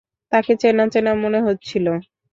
তাকে চেনা চেনা মনে হচ্ছিল।